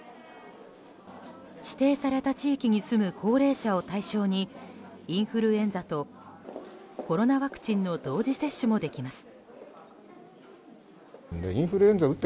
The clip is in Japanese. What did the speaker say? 指定された地域に住む高齢者を対象にインフルエンザとコロナワクチンの同時接種もできます。